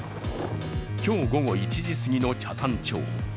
今日午後１時すぎの北谷町。